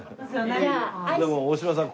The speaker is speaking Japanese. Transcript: でも大島さん